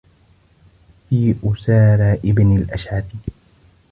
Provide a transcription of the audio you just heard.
فِي أُسَارَى ابْنِ الْأَشْعَثِ